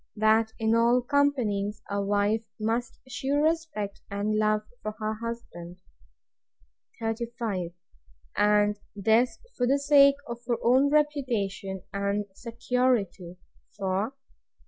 That in all companies a wife must shew respect and love to her husband. 35. And this for the sake of her own reputation and security; for, 36.